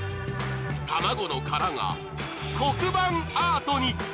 卵の殻が黒板アートに。